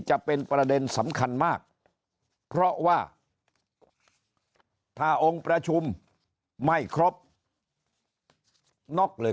จะเป็นประเด็นสำคัญมากเพราะว่าถ้าองค์ประชุมไม่ครบน็อกเลย